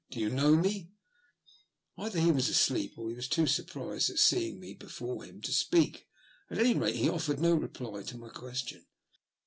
Do you know me ?" Either he was asleep or he was too surprised at seeing me before him to speak, at any rate he offered no reply to my question.